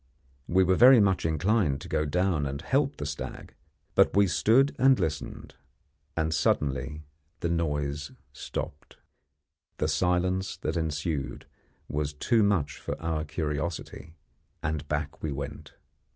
We were very much inclined to go down and help the stag; but we stood and listened, and suddenly the noise stopped. The silence that ensued was too much for our curiosity, and back we went.